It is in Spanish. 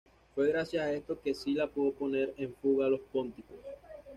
Fue gracias a esto que Sila pudo poner en fuga a los pónticos.